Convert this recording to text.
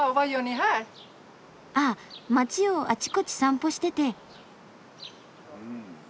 ああ街をあちこち散歩してて。